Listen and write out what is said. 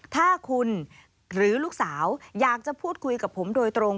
ถ้าคุณหรือลูกสาวอยากจะพูดคุยกับผมโดยตรง